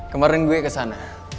kemarin gue kesana